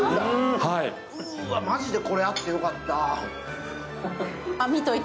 うーわ、マジでこれあってよかった。